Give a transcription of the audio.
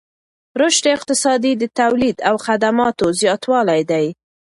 رشد اقتصادي د تولید او خدماتو زیاتوالی دی.